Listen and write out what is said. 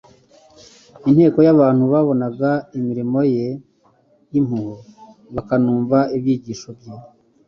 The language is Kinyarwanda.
Inteko y'abantu babonaga imirimo ye y'impuhwe bakanumva ibyigisho bye